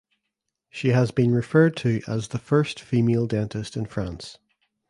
She has been referred to as the first female dentist in France.